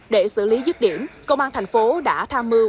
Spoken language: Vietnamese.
để xử lý dứt điểm công an thành phố đã tham mưu